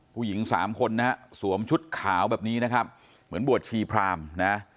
ผู้หญิงสามคนนะฮะสวมชุดขาวแบบนี้นะครับเหมือนบวชชีพรามนะ